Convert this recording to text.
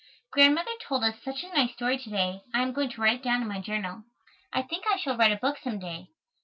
Grandmother told us such a nice story to day I am going to write it down in my journal. I think I shall write a book some day.